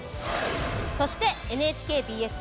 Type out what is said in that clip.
そしてＮＨＫＢＳ